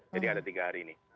jadi ada tiga hari ini